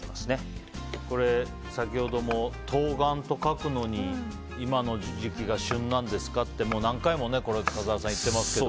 先ほども、冬瓜と書くのに今の時期が旬なんですかって何回も笠原さん言ってますけど。